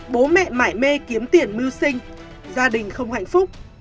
bố mẹ mê kiếm tiền mưu sinh gia đình không hạnh phúc